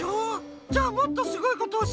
⁉じゃあもっとすごいことおしえてあげる。